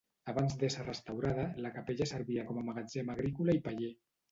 Abans d'ésser restaurada, la capella servia com a magatzem agrícola i paller.